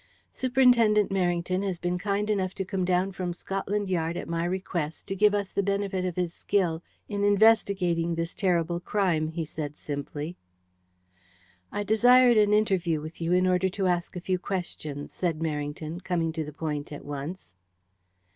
"Superintendent Merrington has been kind enough to come down from Scotland Yard at my request to give us the benefit of his skill in investigating this terrible crime," he said simply. "I desired an interview with you in order to ask a few questions," said Merrington, coming to the point at once.